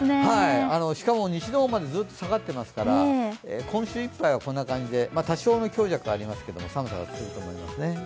しかも西の方までずっと下がっていますから今週いっぱいはこんな感じで、多少の強弱はありますが寒さが続くと思いますね。